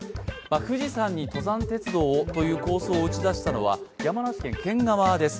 富士山に登山鉄道をという構想を打ちだしたのは山梨県側です。